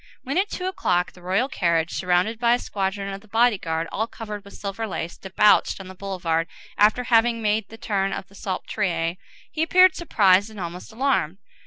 When, at two o'clock, the royal carriage, surrounded by a squadron of the body guard all covered with silver lace, debouched on the boulevard, after having made the turn of the Salpêtrière, he appeared surprised and almost alarmed.